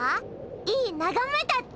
いいながめだっちゃ。